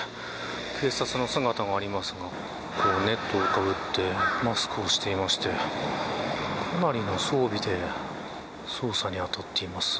警察の姿がありますがネットをかぶってマスクをしていましてかなりの装備で捜査にあたっています。